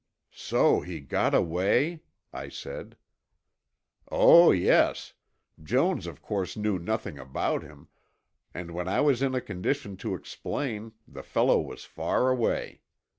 "So he got away," I said. "Oh, yes, Jones of course knew nothing about him, and when I was in a condition to explain, the fellow was far away.